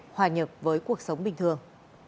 hòa nhập với cuộc sống bình thường